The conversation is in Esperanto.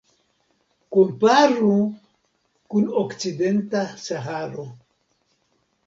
Komparu kun Okcidenta Saharo.